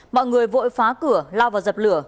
mọi người vội phá cửa lao vào dập lửa